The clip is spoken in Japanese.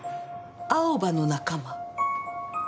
アオバの仲間？